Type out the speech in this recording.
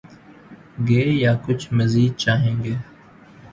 گے یا کچھ مزید چاہیں گے؟